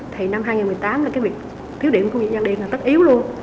thì năm hai nghìn một mươi tám thì việc thiếu điện của khu công nghiệp răng điền là tất yếu luôn